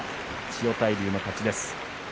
千代大龍の勝ち。